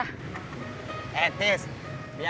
kita main cerdas cerdasan handphone ya